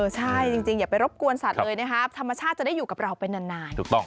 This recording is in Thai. ใช่จริงอย่าไปรบกวนสัตว์เลยนะครับธรรมชาติจะได้อยู่กับเราไปนานถูกต้อง